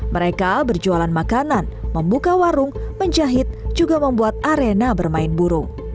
mereka berjualan makanan membuka warung menjahit juga membuat arena bermain burung